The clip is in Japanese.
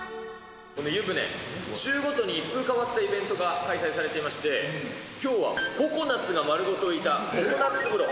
これ、湯船、週ごとに一風変わったイベントが開催されていまして、きょうはココナツが丸ごと浮いたココナツ風呂。